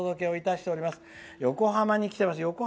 横浜に来ています。